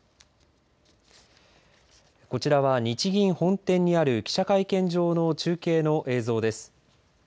こちらは日銀本店にある記者会見場の中継の映像です。